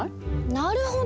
なるほど！